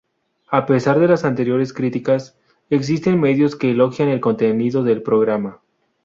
A pesar de las anteriores críticas, existen medios que elogian el contenido del programa.